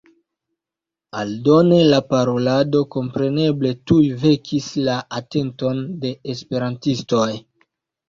Aldone la parolado kompreneble tuj vekis la atenton de esperantistoj.